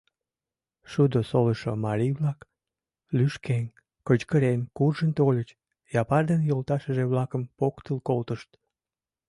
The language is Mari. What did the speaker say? Шудо солышо марий-влак, лӱшкен, кычкырен, куржын тольыч, Япар ден йолташыже-влакым поктыл колтышт.